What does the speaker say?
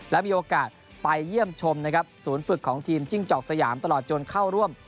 และมีโอกาสไปเยี่ยมชมนะครับศูนย์ฝึกของทีมจิ้งจอกสยามตลอดจนเข้าร่วม